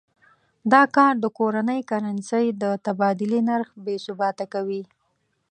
دا کار د کورنۍ کرنسۍ د تبادلې نرخ بې ثباته کوي.